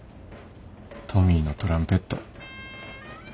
トミーのトランペット。